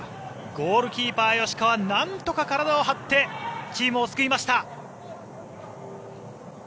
ゴールキーパーの吉川なんとか体を張ってチームを救いました！